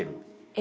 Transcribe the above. え？